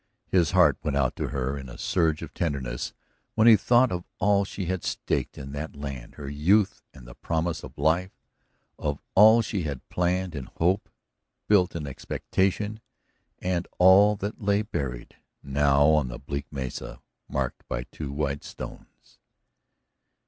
His heart went out to her in a surge of tenderness when he thought of all she had staked in that land her youth and the promise of life of all she had seen planned in hope, built in expectation, and all that lay buried now on the bleak mesa marked by two white stones.